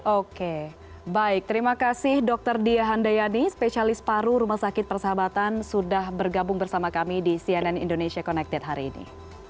oke baik terima kasih dokter dia handayani spesialis paru rumah sakit persahabatan sudah bergabung bersama kami di cnn indonesia connected hari ini